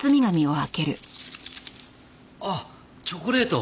あっチョコレート！